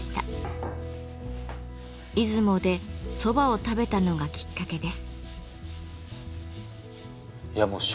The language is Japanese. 出雲で蕎麦を食べたのがきっかけです。